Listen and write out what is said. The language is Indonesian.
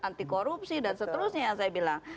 anti korupsi dan seterusnya